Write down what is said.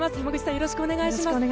よろしくお願いします。